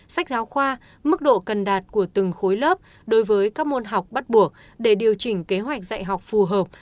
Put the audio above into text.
sách giáo khoa mức độ cần đạt của từng khối lớp đối với các môn học bắt buộc để điều chỉnh kế hoạch dạy học phù hợp